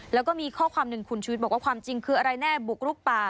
แล้วก็มีข้อความหนึ่งคุณชุวิตบอกว่าความจริงคืออะไรแน่บุกลุกป่า